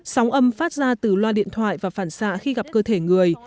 sóng âm phát ra từ loa điện thoại và phản xạ khi gặp cơ thể người